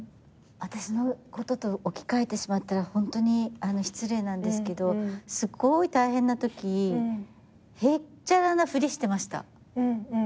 私のことと置き換えてしまったらホントに失礼なんですけどすごい大変なときへっちゃらなふりしてました。